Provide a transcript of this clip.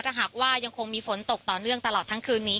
ถ้าหากว่ายังคงมีฝนตกต่อเนื่องตลอดทั้งคืนนี้